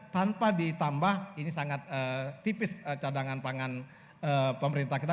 tanpa ditambah ini sangat tipis cadangan pangan pemerintah kita